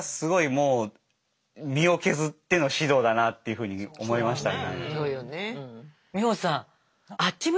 もう身を削っての指導だなっていうふうに思いましたね。